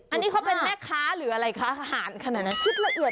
อันนี้เค้าเป็นแม่คะหรืออะไรคะหารขนาดนั้น